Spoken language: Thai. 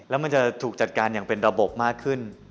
แล้วมันจะถูกจัดการอย่างเป็นระบบมากขึ้น